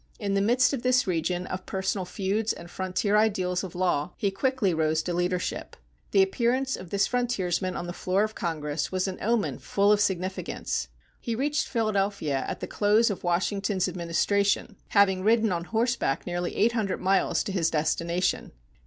In the midst of this region of personal feuds and frontier ideals of law, he quickly rose to leadership. The appearance of this frontiersman on the floor of Congress was an omen full of significance. He reached Philadelphia at the close of Washington's administration, having ridden on horseback nearly eight hundred miles to his destination.